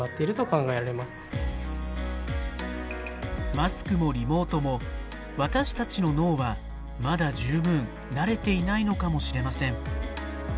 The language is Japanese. マスクもリモートも私たちの脳はまだ十分慣れていないのかもしれません。